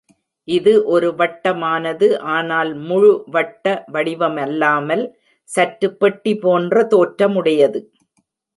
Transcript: இது ஒரு வட்டமானது ஆனால் முழு வட்ட வடிவமல்லாமல் சற்று பெட்டி போன்ற தோற்றமுடையது.